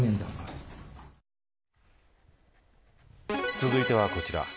続いてはこちら。